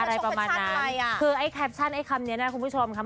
อะไรประมาณนั้นคือไอ้แคปชั่นไอ้คำเนี้ยนะคุณผู้ชมค่ะ